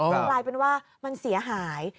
มันกลายเป็นว่ามันเสียหาย